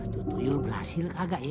tutuyul belasil kagak ya